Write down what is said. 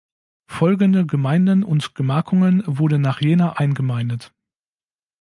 Folgende Gemeinden und Gemarkungen wurden nach Jena eingemeindet.